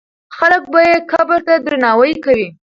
خلک به یې قبر ته درناوی کوي.